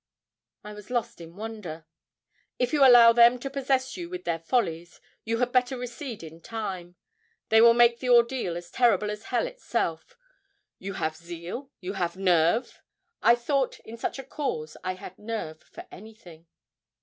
I was lost in wonder. 'If you allow them to possess you with their follies, you had better recede in time they may make the ordeal as terrible as hell itself. You have zeal have you nerve?' I thought in such a cause I had nerve for anything.